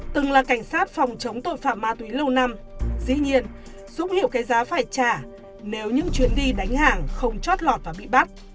từng là cảnh sát phòng chống tội phạm ma túy lâu năm dĩ nhiên dũng hiệu cái giá phải trả nếu những chuyến đi đánh hàng không chót lọt và bị bắt